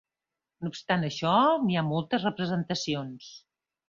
No obstant això, n'hi ha moltes representacions.